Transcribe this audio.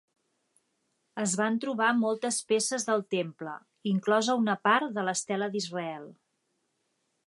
Es van trobar moltes peces del temple, inclosa una part de l'estela d'Israel.